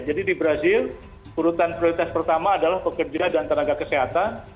jadi di brazil urutan prioritas pertama adalah pekerja dan tenaga kesehatan